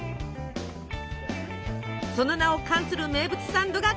その名を冠する名物サンドがこちら。